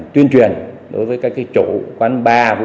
tuyên truyền đối với các chỗ quán bar vũ trường